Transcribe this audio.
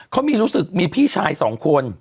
เขามีรู้สึกมีพี่ชายสองคน